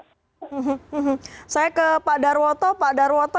ini tadi kita dengar mbak mira ini tadi kita dengar mbak dola